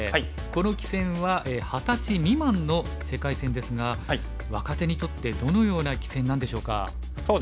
この棋戦は二十歳未満の世界戦ですが若手にとってどのような棋戦なんでしょうか？